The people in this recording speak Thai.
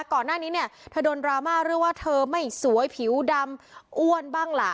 ก่อนหน้านี้เนี่ยเธอโดนดราม่าเรื่องว่าเธอไม่สวยผิวดำอ้วนบ้างล่ะ